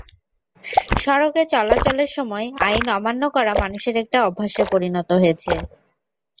সড়কে চলাচলের সময় আইন অমান্য করা মানুষের একটা অভ্যাসে পরিণত হয়েছে।